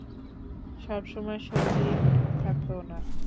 সবসময় সর্দি থাকতো উনার।